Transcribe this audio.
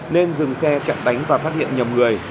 nên dừng xe chặn đánh và phát hiện nhầm người